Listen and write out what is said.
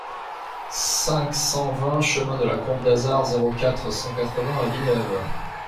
cinq cent vingt chemin de la Combe d'Azard, zéro quatre, cent quatre-vingts à Villeneuve